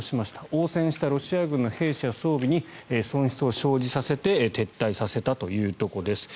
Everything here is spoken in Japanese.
応戦したロシア軍の兵士や装備に損失を生じさせて撤退させたというとこです。